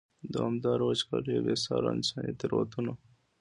دوامدارو وچکالیو، بې سارو انساني تېروتنو.